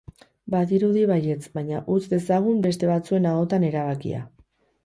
Badirudi baietz, baina utz dezagun beste batzuen ahotan erabakia.